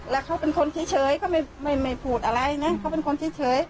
แล้วเขาเป็นคนเฉยเขาไม่พูดอะไรนะเขาเป็นคนเฉย